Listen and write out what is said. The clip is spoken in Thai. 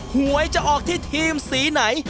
หวยจะออกที่ทีมสีไหน